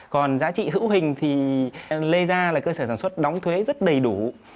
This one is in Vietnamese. còn giá trị hữu hình thì lê gia là cơ sở sản xuất đóng thuế rất đầy đủ